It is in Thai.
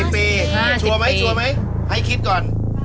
๕๐ปีชัวร์ไหมให้คิดก่อน